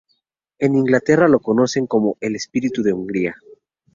En Inglaterra lo conocen como el "Espíritu de Hungría".